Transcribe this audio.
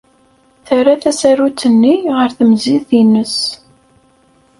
Terra tasarut-nni ɣer temzit-nnes.